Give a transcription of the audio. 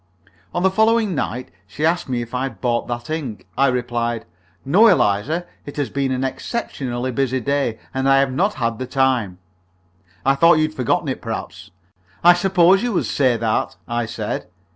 On the following night she asked me if I had bought that ink. I replied, "No, Eliza; it has been an exceptionally busy day, and I have not had the time." "I thought you had forgotten it, perhaps." "I supposed you would say that," I said.